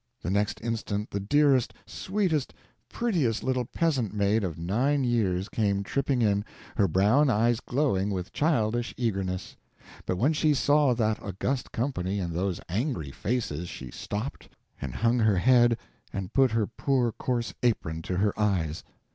The next instant the dearest, sweetest, prettiest little peasant maid of nine years came tripping in, her brown eyes glowing with childish eagerness; but when she saw that august company and those angry faces she stopped and hung her head and put her poor coarse apron to her eyes.